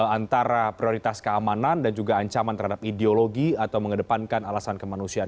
antara prioritas keamanan dan juga ancaman terhadap ideologi atau mengedepankan alasan kemanusiaan